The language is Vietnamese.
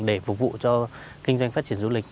để phục vụ cho kinh doanh phát triển du lịch